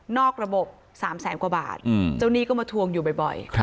อกระบบ๓แสนกว่าบาทเจ้าหนี้ก็มาทวงอยู่บ่อย